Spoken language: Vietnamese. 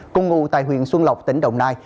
công ngụ tại huyện xuân lộc tỉnh đồng nai